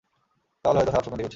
তাহলে হয়তো খারাপ স্বপ্ন দেখেছি।